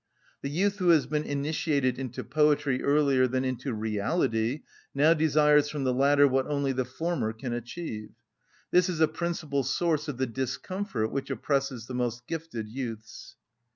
The youth who has been initiated into poetry earlier than into reality now desires from the latter what only the former can achieve; this is a principal source of the discomfort which oppresses the most gifted youths.